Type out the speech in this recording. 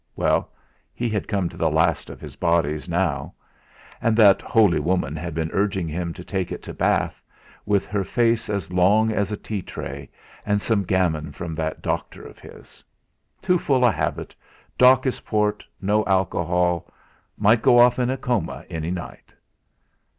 Well, he had come to the last of his bodies, now! And that holy woman had been urging him to take it to Bath, with her face as long as a tea tray, and some gammon from that doctor of his. Too full a habit dock his port no alcohol might go off in a coma any night!